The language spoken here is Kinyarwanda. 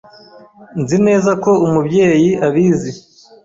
Nzi neza ko Umubyeyi abizi.